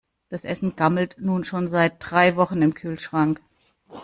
Das Essen gammelt nun schon seit drei Wochen im Kühlschrank.